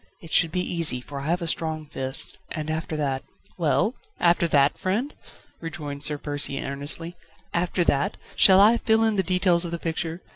It should be easy, for I have a strong fist, and after that ..." "Well? After that, friend?" rejoined Sir Percy earnestly, "after that? Shall I fill in the details of the picture?